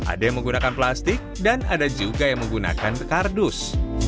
ada yang menggunakan plastik dan ada juga yang menggunakan kardus